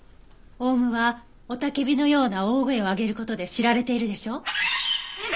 オウムは雄たけびのような大声を上げる事で知られているでしょ？